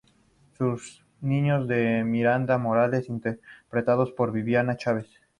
Son niños de Miranda Morales, interpretados por Viviana Chavez.